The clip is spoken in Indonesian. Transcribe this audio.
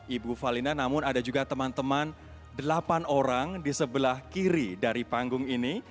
ibu falina namun ada juga teman teman delapan orang di sebelah kiri dari panggung ini